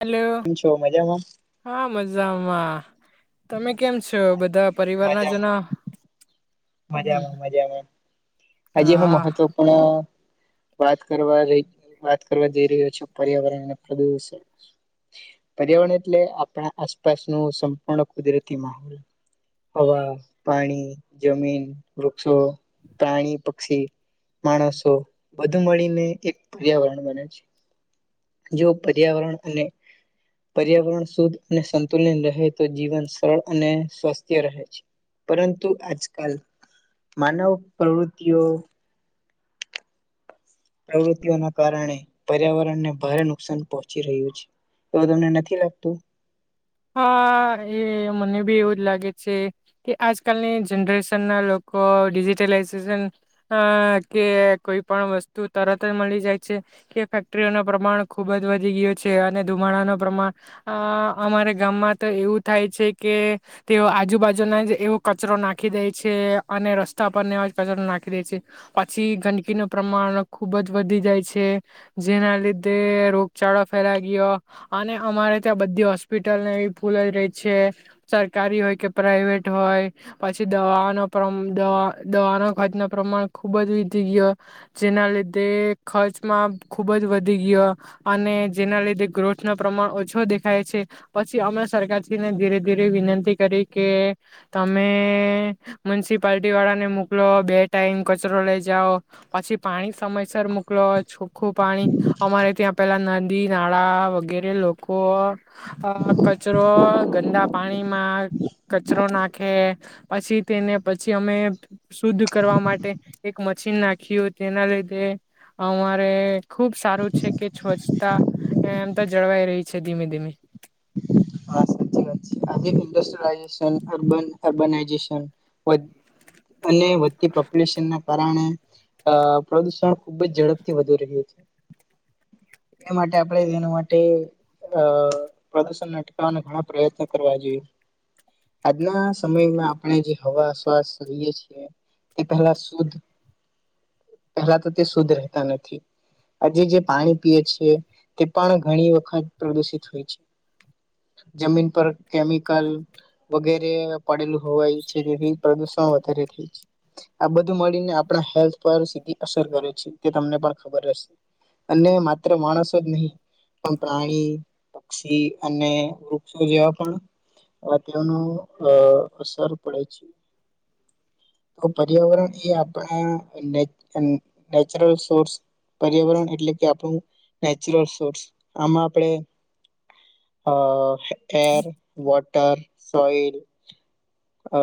Hello. કેમ છો મજામાં? હા મજામાં. હ તમે કેમ છો? બધા પરિવારના મજામાં જના મજામાં મજામાં. આજે હું હા મહત્વપૂર્ણ વાત કરવા જઈ વાત કરવા જઈ રહ્યો છુ પર્યાવરણ અને પ્રદુષણ. પર્યાવરણ એટલે આપણા આસપાસ નુ સંપૂર્ણ કુદરતી માહોલ હવા, પાણી જમીન વૃક્ષો, પ્રાણી, પક્ષી, માણસો બધુ મળીને એક પર્યાવરણ બને છે. જો પર્યાવરણ અને પર્યાવરણ શુદ્ધ અને સંતુલન રહે તો જીવન સરળ અને સ્વસ્થ્ય રહે છે. પરંતુ આજ કાલ માનવ પ્રવૃતિઓ પ્રવૃતિઓના કારણે પર્યાવરણને ભારે નુકસાન પહોંચી રહ્યું છે. એવું તમને નથી લાગતું? હ એ મને બી એવું જ લાગે છે કે આજકાલની જનરેશન ના લોકો ડિજિટલાઈઝેશન અ કે કોઈ પણ વસ્તુ તરત જ મળી જાય છે કે ફેક્ટરીઓ ન પ્રમાણ ખુબ જ વધી ગયું છે અને ધુમાડા ના પ્રમાણ અ અમારે ગામમાં તો એવું થાય છે કે તેઓ આજુબાજુના જ એવો કચરો નાખી દે છે અને રસ્તા પર ને એ જ કચરો નાખી દે છે પછી ગંદકીનું પ્રમાણ ખુબ જ વધી જાય છે. જેના લીધે રોગચાળો ફેલા ગયો અને અમારે ત્યાં બધી હોસ્પિટ ટલ એ ફૂલે જ રહી છે. સરકારી હોય કે પ્રાાઈવેટ હોય. પછી દવાઓનો પ્રમાણ દવાનો ખર્ચનો પ્રમ દવાનો ખુબજ વધી ગયો. જેના લીધે ખર્ચમાં ખુબ જ વધી ગયો અને જેના લીધે ગ્રોથનો પ્રમાણ ઓછું દેખાય છે. પછી અમે સરકારશ્રીને ધીરે ધીરે વિનંતી કરી કે તમે મ્યુનિસિપાલટી વાળા ને મોકલો બે ટાઈમ કચરો લઈ જાઓ પછી પાણી સમયસર મોકલો છોખ્ખું પાણી અમારે ત્યાં પેલા નદી, નાળા વગેરે લોકો અ કચરો ગંદા પાણીમાં કચરો નાખે પછી તેને પછી અમે શુદ્ધ કરવા માટે એક મશીન નાખ્યું તેના લીધે અમારે ખુબ સારું છે કે સ્વચ્છતા એમ તો જળવાઈ રહી છે ધીમે ધીમે. હા સાચી વાત છે. આજે ઈન્ડસ્ટ્રીલાઈજેશન અર્બન અર્બનનાઈજેશન હોય અને વધતીપોપ્યુલેશનને કારણે અ પ્રદુષણ ખુબ જ ઝડપથી વધી રહ્યું છે. એ માટે આપણે એના માટે અ પ્રદૂષણ અટકવાન ઘણા પ્રયત્ન કરવા જોઈએ. આજના સમયમાં આપણે જે હવા શ્વાસ લઈએ છીએ તે પહેલા શુદ્ધ પહેલા તો તે શુદ્ધ રહેતા નથી આજે જે પાણી પીએ છીએ તે પણ ઘણી વખત પ્રદુષિત હોય છે. જમીન પર કેમિકલ વગેરે પડેલું હોવાય છે. તેથી પ્રદુષણ વધારે થાય છે. આ બધું મળીને આપણા હેલ્થ પર સીધી અસર કરે છે. તે તમને પણ ખબર હશે. અને માત્ર માણસો જ નહીં પણ પ્રાણી, પક્ષી અને વુ સો જ્યાં પણ અ તેઓનું અ અસર પડે છે. તો પર્યાવરણ એ આપણા નેચરલ સોર્સ પર્યાવરણ એટલે કે આપણું નેચરલ સોર્સ આમાં આપણે અ એર વોટ ટર સોઈલ અ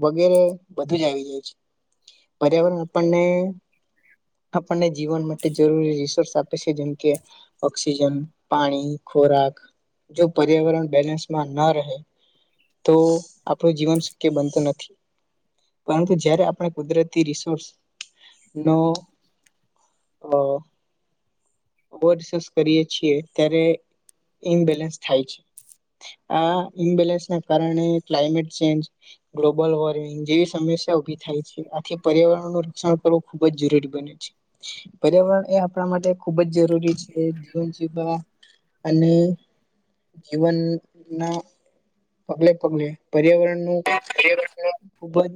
વગેરે બધું જ આવી જાય છે. પર્યાવરણ આપણને આપણને જીવન માટે જરૂરી રિસોર્સ આપે છે. જેમકે ઓક્સિજન, પાણી, ખોરાક, જો પર્યાવરણ બેલેન્સમાં ન રહે તો આપણું જીવન શક્ય બનતું નથી. પરંતુ જ્યારે આપણે કુદરતી રિસોર્સ નો હ. ઓવરસસ કરીએ છીએ, ત્યારે ઇનબેલેન્સ થાય છે. આ ઇમ્બેલેન્સ ના કારણે ક્લાયમેટ ચેન્જ ગ્લોબલ વોર્મિંગ જેવી સમસ્યા ઉભી થાય છે. આથી પર્યાવરણનું રક્ષણ કરવું ખુબ જ જરૂરી બન્યું છે. પર્યાવરણ એ આપણા માટે ખૂબ જ જરૂરી છે. જીવન જીવવા અને જીવનના પગલે-પગલે પર્યાવરણ નુ ખૂબ જ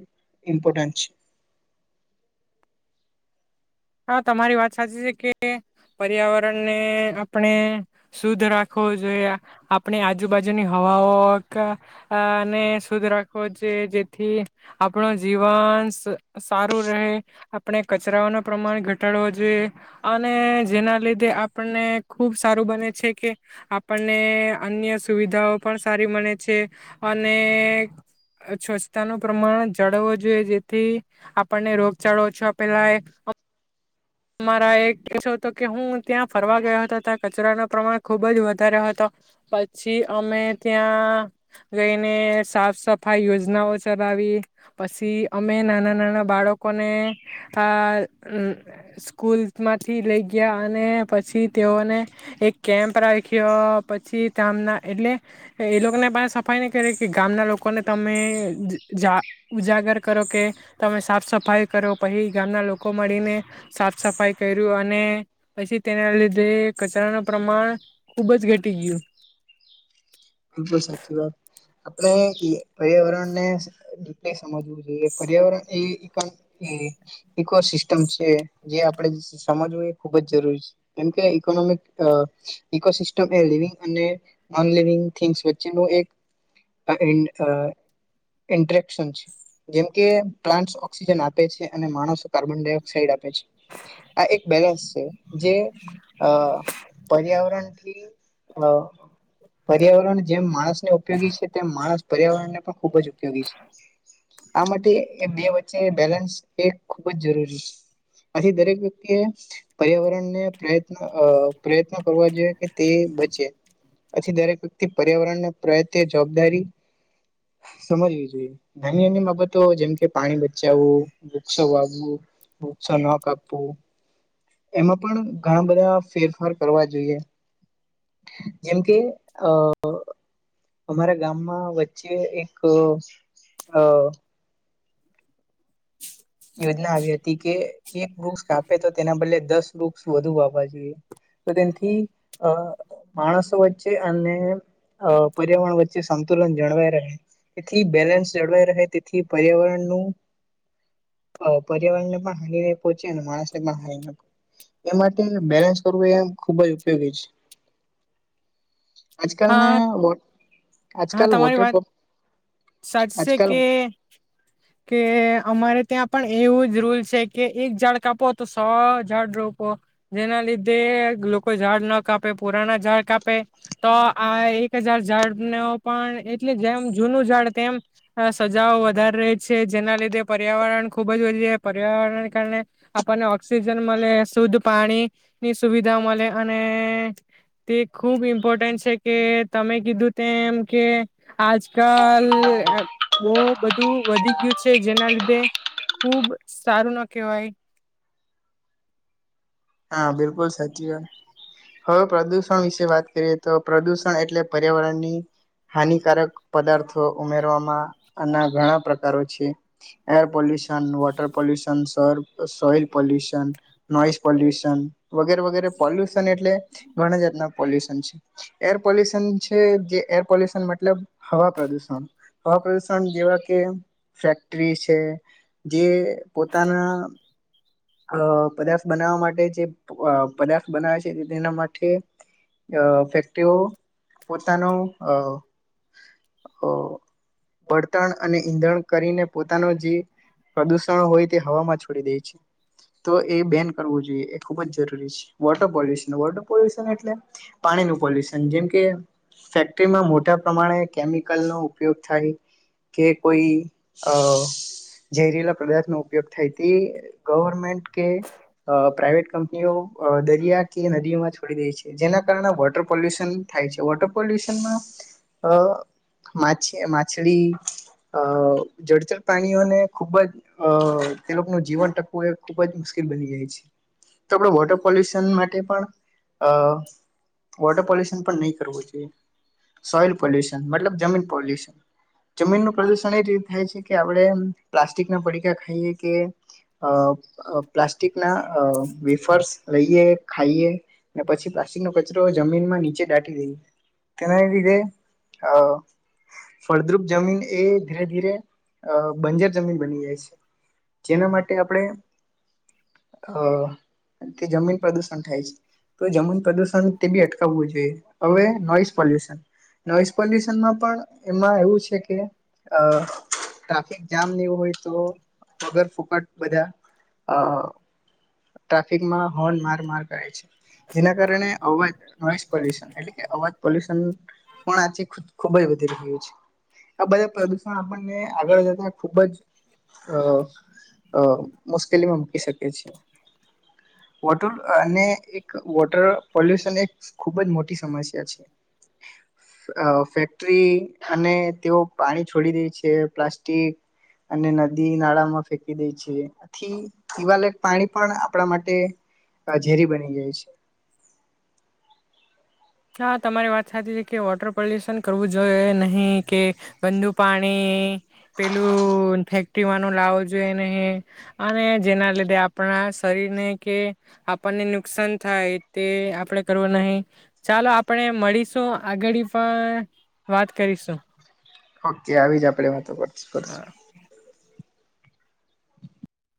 ઈમ્પોર્ટન્ટ છે. હા તમારી વાત સાચી છે કે પર્યાવરણને આપણે શુદ્ધ રાખવો જોઈએ. આપણે આજુબાજુની હવાઓ ક અ ને શુદ્ધ રાખવો જોઈએ જેથી આપણ જીવન સ સારું રહે આપણે કચરાઓનો પ્રમાણ ઘટાડવો જોઈએ અને જેના લીધે આપણને ખૂબ સારું બને છે કે આપણને અન્ય સુવિધાઓ પણ સારી મળે છે અને સ્વચ્છતાનું પ્રમાણ જાળવું જોઈએ જેથી આપણને રોગચાળો ઓછો ફેલાય અમારા એક કે છો કે હતો કે હું ત્યાં ફરવા ગયો હતા ત્યાં કચરા નો પ્રમાણ ખુબ જ વધારરે હતો પછી અમે ત્યાં ગઈને સાફ સફાઈ યોજનાઓ ચલાવી પસી અમે નાના-નાના બાળકોને આ અ સ્કૂલમાંથી લઈ ગયા અને પછી તેઓને એક કેમ્પ રાખ્યો પછી તામના એટલે એ લોકોને પણ સફાઈ નહીં કરી કે ગામના લોકોને તમે જા ઉજાગર કરો કે તમે સાફ સફાઈ કરો પહી ગામના લોકો મળીને સાફ સફાઈ કર્યું અને પછી તેના લીધે કચરાનું પ્રમાણ ખુબ જ ઘટી ગયું. બીલકુલ સાચી વાત, આપણે પર્યાવરણને સમજવું જોઈએ પર્યાવરણ એ ઈકોસિસ્ટમ છે. જે આપડે સમજવું એ ખુબ જ જરૂરી છે કેમકે ઇકોનોમિક ઇકોસિસ્ટમ એ લિવિંગ અને નોન લિવિંગ થીગસ વચ્ચેનું એક આ અ ઇન્ટરેકશન છે. જેમકે પ્લાન્ટ ઓક્સિજન આપે છે અને માણસો કાર્બન ડાયોક્સાઇડ આપે છે આ એક બેલેન્સ છે. જે અ પર્યાવરણથી અ પ ર્યાવરણ જેમ માણસ ઉપયોગી છે તેમ માણસ પર્યાવરણને પણ ખૂબ જ ઉપયોગી છે. આ માટે બે વચ્ચે બેલેન્સ એ ખૂબ જ જરૂરી. આથી દરેક વ્યક્તિએ પર્યાવરણને પ્રયત્ન અ પ્રયત્ન કરવા જોઈએ કે તે બચે આછી દરેક પર્યાવરણ પ્રયતે જવાબદારી સમજવી જોઈએ. નાની ની બાબતો જેમકે પાણી બચાવવું, વૃક્ષો વાવવું, વૃક્ષો ન કાપવું એમાં પણ ઘણા બધા ફેરફાર કરવા જોઈએ જેમ કે ખ અ અમારા ગામમાં વચ્ચે એક અ અ યોજના આવી હતી કે એક વૃક્ષ કાપે તો તેના બદલે દસ વૃક્ષ વધુ વાવા જોઈએ તો તેથી અ માણસો વચ્ચે અને અ પર્યાવરણ વચ્ચે સંતુલન જળવાઈ રહે તેથી બેલેન્સ જળવાય રહે તેથી પર્યાવરણનું અ પર્યાવરણને પણ હાનિ ન પહોંચે અને માણસને પણ હાનિ ના પોંચે એ માટે બેલેન્સ કરવું એમ ખુબ જ ઉપયોગી છે. આજકાલના હા હા આજકાલ તમારી વોટર વાત પંપ સાશી આજકાલ છે કે કે અમારે ત્યાં પણ એવું જ રૂલ છે કે એક ઝાડ કાપો તો સો ઝાડ રોપો જેના લીધે લોકો ઝાડ ન કાપે પુરાના ઝાડ કાપે તો આ એક હજાર ઝાડ નો પણ એટલે જેમ જૂનું ઝાડ તેમ સજાઓ વધારી રહી છે જેના લીધે પર્યાવરણ ખુબ જ વધી પર્યાવરણને કારણે આપણને ઓક્સિજન મળે શુદ્ધ પાણી ની સુવિધા મળે અને તે ખૂબ ઈ ઇમ્પોર્ટન્ટ છે કે તમે કીધું તેમ કે આજકાલ બો બધું વધી ગયું છે જેના લીધે ખુબ સારું ના કહેવાય. હા બિલકુલ સાચી વાત હવે પ્રદુષણ વિશે વાત કરીએ તો પ્રદુષણ એટલે પર્યાવરણની હાનિકારક પદાર્થો ઉમેરવામાંના ઘણા પ્રકારો છે એર પોલ્યુશન અન વોટર પલ્યુશન સર સોઇલ પોલ્યુશન નોઇસે પોલ્યુશન યુશન વગેરે વગેરે પોલ્યુશન એટલે ઘણા જાતના પોલ્યુશન છે એર પોલ્યુશન છે જે એર પોલ્યુશન મતલબ હવા પ્રદુષણ હવા પ્રદુષણ જેવા કે ફેક્ટરી છે જે પોતાના અલો પદાર્થ બનાવવા માટે જે પદાર્થ બનાવે છે તેના માટેઅ ફેક્ટરીઓ પોતાનો અ અ વળતણ અને ઈંધણ કરીને પોતાનું જે પ્રદુષણ હોય તે હવામાં છોડી દે છે. તો એ બેન કરવું જોઈએ એ ખૂબ જ જરૂરી છે વોટર પોલ્યુશન વોટર પોલ્યુશન એટલે પાણીનું પોલ્યુશન જેમ કે ફેક્ટરીમાં મોટા પ્રમાણે કેમિકલનો ઉપયોગ થાય કે કોઈ અ ઝેરીલા પદાર્થનો ઉપયોગ થાય તે ગવર્મેન્ટ કે પ્રાાઈવેટ કંપનીઓ અ દરિયા કે નદીઓમાં છોડી દે છે જેના કારણે વોટર પોલ્યુશન થાય છે વોટર પોલ્યુશનમાં અ માછલી અ જળચર પ્રાણીઓને ખુબ જ અ તેનું જીવન ટ કુએ ખૂબ જ મુશ્કેલ બની જાય છે તો આપણે વોટર પોલ્યુશન માટે પણ અ વોટર પોલ્યુશન પણ નહી કરવું જોઈએ સોઈલ પોલ્યુશન મતલબ જમીન પોલ્યુશન જમીનનું પ્રદુષણ એ રીતે થાય છે કે આપણે અ પ્લાસ્ટિક ના પડીકા ખાઈએ કે અ. અ પ્લાસ્ટિક ના અ વેફર્સ લઈએ ખાઈએ ને પછી પ્લાસ્ટિક નો કચરો જમીનમાં નીચે દાટી દઈએ તેના લીધે અ ફળદ્રુપ જમીન એ ધીરે ધીરે અ બંજર જમીન બની જાય છે જેના માટે આપણે અ તે જમીન પ્રદુષણ થાય છે તો જમીન પ્રદુષણ તે બી અટકાવવું જોઈએ હવે નોઈસ પોલ્યુશન નોઈસ પોલ્યુશનમાં પણ એમાં એવું છે કે અ. ટ્રાફિક જામ ને એવું હોય તો વગર ફૂક બધા અહ ટ્રાફિકમાં હોન માર માર કરે છે. જેના કારણે અવાજ નોઇસ પોલ્યુશન એટલે કે અવાજ પોલ્યુશન પણ આચે ખબઈ વધી રહ્યું છે. આ બધા પ્રદુષણ આપણને આગળ જતા ખૂબ જ અહ અહ મુશ્કેલીમાં મૂકી શકે છે. વોટર અને એક વોટર પોલ્યુશન એક ખૂબ જ મોટી સમસ્યા છે. અહ ફેક્ટરી અને તેઓ પાણી છોડી દે છે. પ્લાસ્ટિક અને નદી નાળામાં ફેક ફેકી દે છે. આથી પીવા લાયક પાણી પણ આપણા માટે અહ ઝેરી બની ગઈ છે. હા તમારી વાત સાચી છે કે વોટર પોલ્યુશન કરવું જોએ નહીં કે ગંદુ પાણી પેલું ફેક્ટરી વાનું લાવવો જોઈએ નહીં અને જેના લીધે આપણા શરીરને કે આપણને નુકસાન થાય તે આપણે કરવું નહીં. ચાલો આપણે મળીશું આગડી ફા વાત કરીશું. ઓકે આવી જ આપડે વાતો કર કરશું.